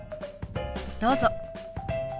どうぞ。